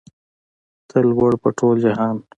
ته لوړ په ټول جهان